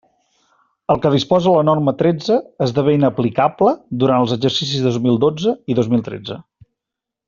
El que disposa la norma tretze esdevé inaplicable durant els exercicis dos mil dotze i dos mil tretze.